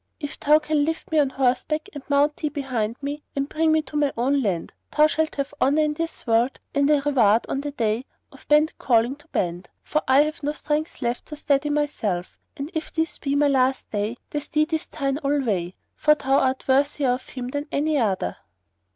If thou can lift me on horseback and mount thee behind me and bring me to my own land, thou shalt have honour in this world and a reward on the day of band calling to band,[FN#92] for I have no strength left to steady myself; and if this be my last day, the steed is thine alway, for thou art worthier of him than any other."